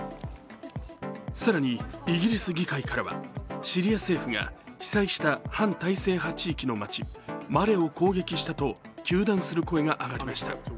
更にイギリス議会からはシリア政府が被災した反体制派支配地域の町・マレを攻撃したと糾弾する声が上がりました。